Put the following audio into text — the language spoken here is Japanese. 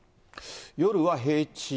夜は平地。